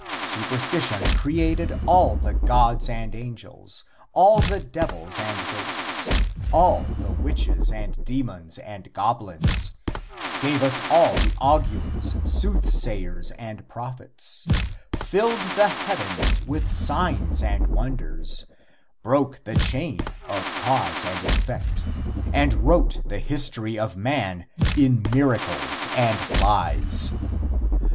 Superstition created all the gods and angels, all the devils and ghosts, all the witches, demons and goblins, gave us all the augurs, soothsayers and prophets, filled the heavens with signs and wonders, broke the chain of cause and effect, and wrote the history of man in miracles and lies.